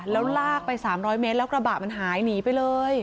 แล้วลากไป๓๐๐เมตรแล้วกระบะมันหายหนีไปเลย